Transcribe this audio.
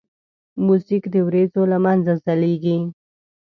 موزیک د وریځو له منځه ځلیږي.